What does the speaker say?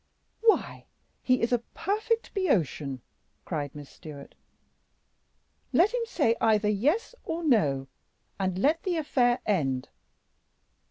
"Why, he is a perfect Boeotian!" cried Miss Stewart. "Let him say either 'Yes,' or No,' and let the affair end."